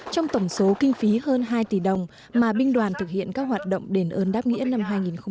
trong tổng số kinh phí hơn hai tỷ đồng mà binh đoàn thực hiện các hoạt động đền ơn đáp nghĩa năm hai nghìn một mươi chín